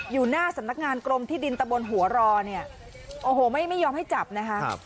อยู่หน้าสำนักงานกรมที่ดินตะบนหัวรอเนี่ยโอ้โหไม่ยอมให้จับนะคะ